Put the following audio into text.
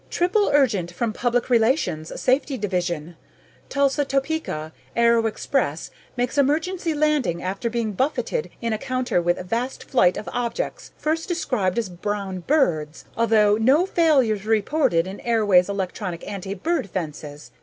"Triple urgent from Public Relations, Safety Division. Tulsa Topeka aero express makes emergency landing after being buffeted in encounter with vast flight of objects first described as brown birds, although no failures reported in airway's electronic anti bird fences.